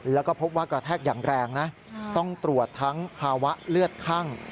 แล้วก็พบว่ากระแทกอย่างแรงนะต้องตรวจทั้งภาวะเลือดคั่ง